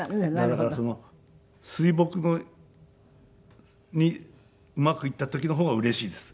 だからその水墨にうまくいった時の方がうれしいです。